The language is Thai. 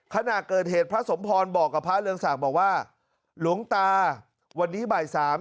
ขณะเกิดเหตุพระสมพรบอกกับพระเรืองศักดิ์บอกว่าหลวงตาวันนี้บ่ายสาม